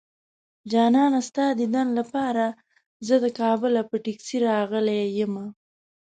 جانانه ستا ديدن لپاره زه د کابله په ټکسي راغلی يمه